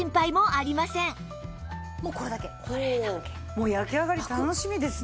もう焼き上がり楽しみですね。